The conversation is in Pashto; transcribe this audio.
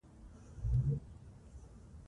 افغانستان د ځنګلونه له پلوه متنوع دی.